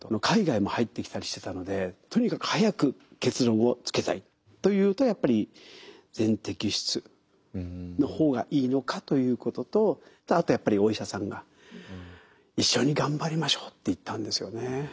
海外も入ってきたりしてたのでとにかく早く結論をつけたいというとやっぱり全摘出の方がいいのかということとあとやっぱりお医者さんが「一緒に頑張りましょう」って言ったんですよね。